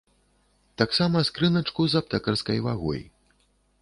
Таксама скрыначку з аптэкарскай вагой.